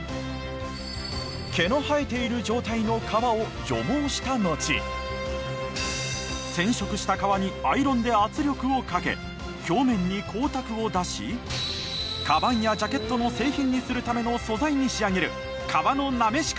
毛の生えている状態の皮を除毛したのち染色した革にアイロンで圧力をかけ表面に光沢を出しかばんやジャケットの製品にするための素材に仕上げる皮のなめし